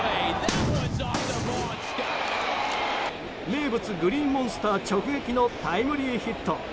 名物グリーンモンスター直撃のタイムリーヒット。